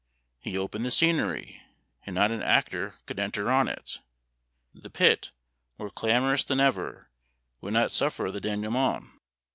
He opened the scenery! and not an actor could enter on it! The pit, more clamorous than ever, would not suffer the denouement!